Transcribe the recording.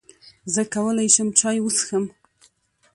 زۀ کولای شم چای وڅښم؟